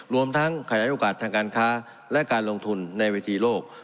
รวมทั้งขยายโอกาสทางการค้าและการลงทุนในเวทีโลก